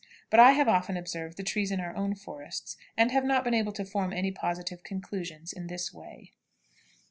But I have often observed the trees in our own forests, and have not been able to form any positive conclusions in this way.